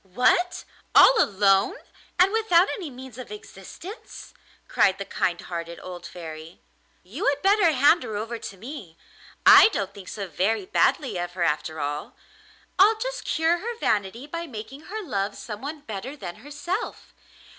'What! all alone, and without any means of existence?' cried the kind hearted old Fairy. 'You had better hand her over to me. I don't think so very badly of her after all. I'll just cure her vanity by making her love someone better than herself.